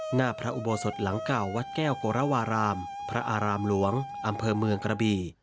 หน้าพระอุโบสถหลังเก่าวัดแก้วโกรวารามพระอารามหลวงอำเภอเมืองกระบี